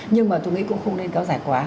nhưng mà tôi nghĩ cũng không nên kéo dài quá